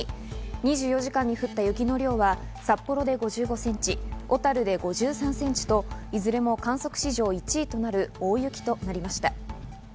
２４時間に降った雪の量は札幌で５５センチ、小樽で５３センチと、いずれも観測史上１位となる大雪となりました。